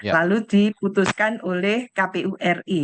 lalu diputuskan oleh kpu ri